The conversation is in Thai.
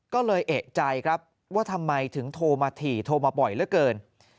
ก็เลยเอกใจครับว่าทำไมถึงโทรมาถี่โทรมาบ่อยเหลือเกิน